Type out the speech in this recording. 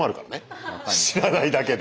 知らないだけで。